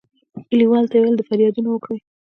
کلیوالو ته یې ویل د فریادونه وکړي.